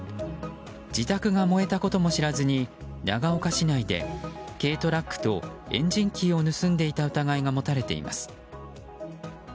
自宅が燃えたことも知らずに長岡市内で軽トラックとエンジンキーを盗んでいた疑いが持たれています。